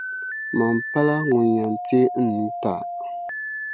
Mani pala ŋun yɛn teei n nuu ti a.